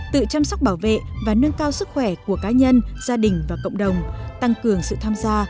tự chăm sóc bảo vệ và nâng cao sức khỏe của cá nhân gia đình và cộng đồng tăng cường sự tham gia